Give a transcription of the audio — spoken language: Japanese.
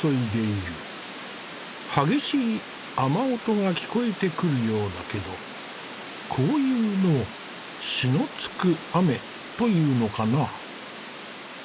激しい雨音が聞こえてくるようだけどこういうのを「篠突く雨」というのかな。